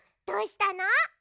どうしたの？